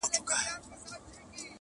اوس د ماشوخېل زاړه خوبونه ریشتیا کېږي!!